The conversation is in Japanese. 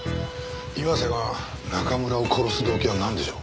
岩瀬が中村を殺す動機はなんでしょう？